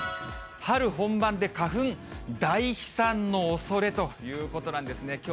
春本番で花粉大飛散のおそれということなんですね。